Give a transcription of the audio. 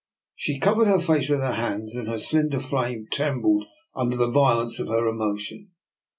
She covered her face with her hands, and her slender frame trembled under the violence of her emotion.